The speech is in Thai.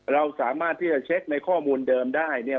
เราสามารถที่จะเช็คในข้อมูลเดิมได้เนี่ย